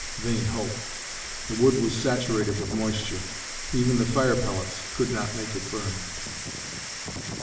Vain hope! The wood was saturated with moisture. Even the fire pellets could not make it burn.